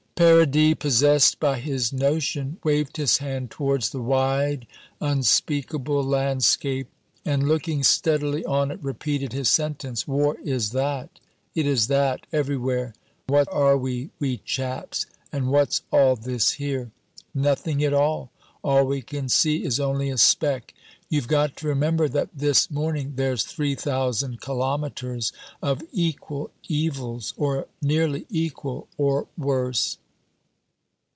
Paradis, possessed by his notion, waved his hand towards the wide unspeakable landscape, and looking steadily on it repeated his sentence, "War is that. It is that everywhere. What are we, we chaps, and what's all this here? Nothing at all. All we can see is only a speck. You've got to remember that this morning there's three thousand kilometers of equal evils, or nearly equal, or worse."